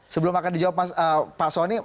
sebelum akan dijawab pak soni